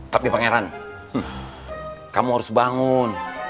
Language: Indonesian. tapi pangeran kamu harus bangun